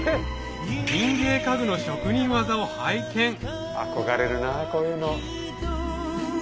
民芸家具の職人技を拝見憧れるなこういうの。